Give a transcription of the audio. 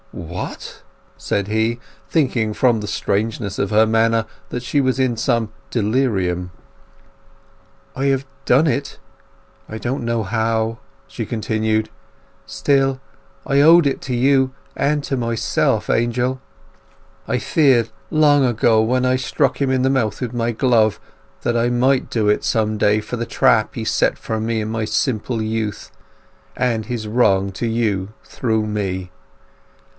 "What!" said he, thinking from the strangeness of her manner that she was in some delirium. "I have done it—I don't know how," she continued. "Still, I owed it to you, and to myself, Angel. I feared long ago, when I struck him on the mouth with my glove, that I might do it some day for the trap he set for me in my simple youth, and his wrong to you through me.